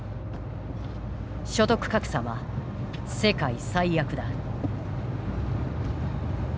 所得格差は世界最悪だ。